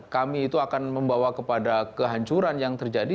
kami itu akan membawa kepada kehancuran yang terjadi